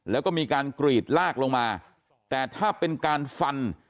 แล้วก็มีการกรีดลากลงมาแต่ถ้าเป็นการฟัน